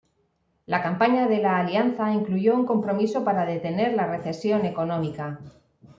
La campaña de la alianza incluyó un compromiso para detener la recesión económica.